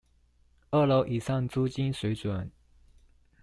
二樓以上租金水準